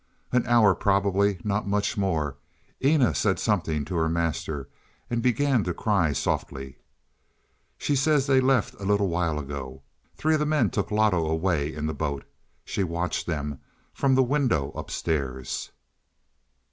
"An hour probably, not much more." Eena said something to her master and began to cry softly. "She says they left a little while ago. Three of the men took Loto away in the boat. She watched them from the window upstairs."